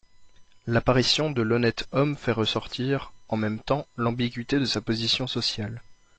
L'apparition de l'Honnête homme fait ressortir, en même temps, l'ambiguïté de sa position sociale.